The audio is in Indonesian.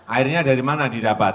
airnya dari mana didapat